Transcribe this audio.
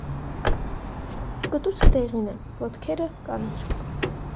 Կտուցը դեղին է, ոտքերը՝ կարմիր։